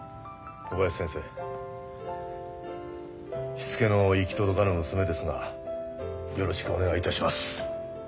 しつけの行き届かぬ娘ですがよろしくお願いいたします。